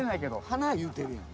鼻言うてるやん。